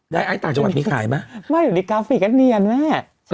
ได้ไอ้ต่างจังหวัดมีขายไหมไม่อยู่ดีกราฟิกกันเนียนไหมเออ